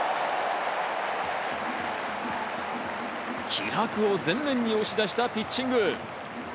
気迫を前面に押し出したピッチング。